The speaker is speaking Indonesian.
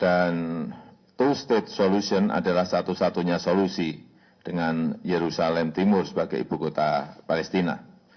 dan two state solution adalah satu satunya solusi dengan yerusalem timur sebagai ibu kota palestina